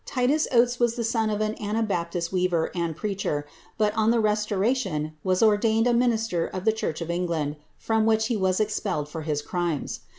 Tiios Oates was the son of an anabaptist weaver and preacher, but, (ft the Restoration, was ordained a minister of the church *of England, om which he was expelled for his crimes.